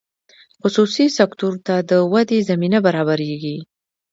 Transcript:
خصوصي سکتور ته د ودې زمینه برابریږي.